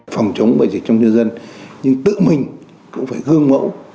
phòng chống bệnh dịch trong dân dân nhưng tự mình cũng phải hương mẫu